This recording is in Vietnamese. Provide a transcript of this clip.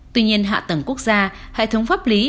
trong mạng quốc gia hệ thống pháp lý